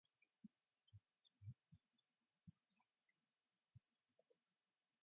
The lineup during this period included more contemporary children's shows, sitcoms, movies, and dramas.